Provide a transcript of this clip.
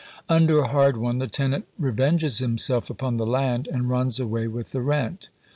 Under a hard one, the tenant revenges himself upon the land, and runs away with the rent.